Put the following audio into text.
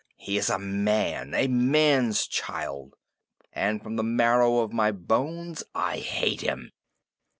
He is a man, a man's child, and from the marrow of my bones I hate him!"